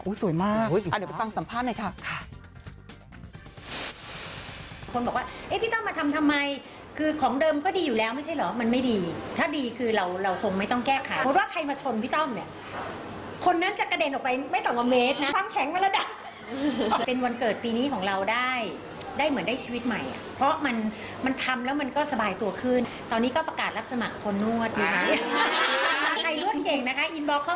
สวยมากเดี๋ยวไปฟังสัมภาษณ์หน่อยค่ะ